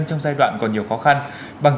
và âm thầm cống hiến